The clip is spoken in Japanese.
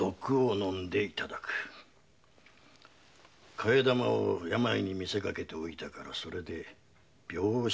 替え玉を病に見せかけておいたから「病死」と届ければよい。